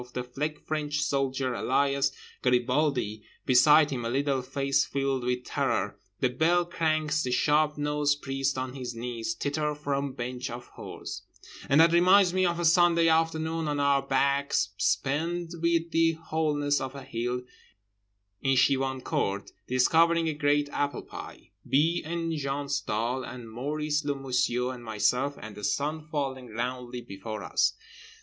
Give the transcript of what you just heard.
The Fake French Soldier, alias Garibaldi, beside him, a little face filled with terror … the Bell cranks the sharp nosed priest on his knees … titter from bench of whores— And that reminds me of a Sunday afternoon on our backs spent with the wholeness of a hill in Chevancourt, discovering a great apple pie, B. and Jean Stahl and Maurice le Menusier and myself; and the sun falling roundly before us.